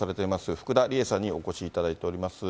福田理絵さんにお越しいただいております。